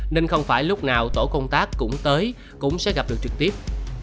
nên không phải lúc nào tổ công tác cũng tới cũng sẽ gặp được trực tiếp